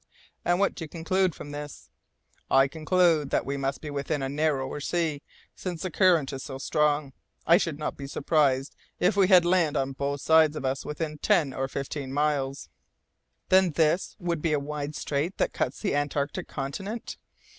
"And what do you conclude from this?" "I conclude that we must be within a narrower sea, since the current is so strong. I should not be surprised if we had land on both sides of us within ten or fifteen miles." "This, then, would be a wide strait that cuts the antarctic continent?"